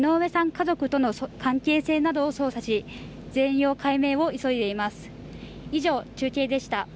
家族との関係性などを捜査し全容解明を急いでいます